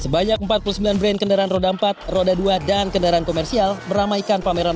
sebanyak empat puluh sembilan brand kendaraan roda empat roda dua dan kendaraan komersial meramaikan pameran